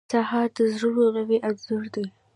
سهار د زړونو نوی انځور دی.